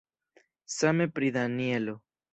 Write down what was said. Same pri Danjelo.